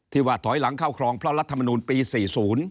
ว่าถอยหลังเข้าครองเพราะรัฐมนูลปี๔๐